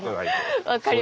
分かりました。